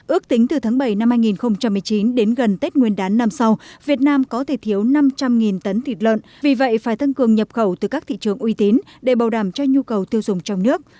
ước tính từ tháng bảy năm hai nghìn một mươi chín đến gần tết nguyên đán năm sau việt nam có thể thiếu năm trăm linh tấn thịt lợn vì vậy phải thăng cường nhập khẩu từ các thị trường uy tín để bảo đảm cho nhu cầu tiêu dùng trong nước